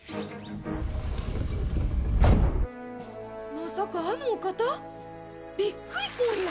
「まさかあのお方⁉びっくりぽんや」